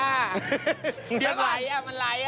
ไหลอ่ะมันไหลอ่ะ